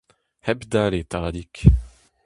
Hepdale Tadig…